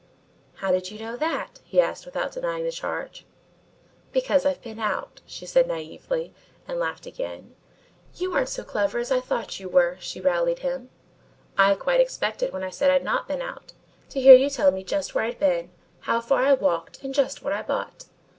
"How did you know that?" he asked without denying the charge. "Because I've been out," she said naively and laughed again. "You aren't so clever as I thought you were," she rallied him. "I quite expected when I said I'd not been out, to hear you tell me just where I'd been, how far I walked and just what I bought."